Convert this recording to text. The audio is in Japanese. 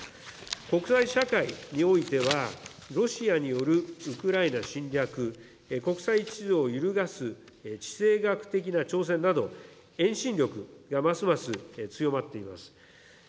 国際社会においては、ロシアによるウクライナ侵略、国際秩序を揺るがす地政学的な挑戦など、遠心力がますます強まっています。